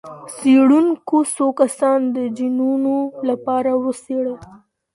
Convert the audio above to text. څېړونکو څو کسان د جینونو لپاره وڅېړل.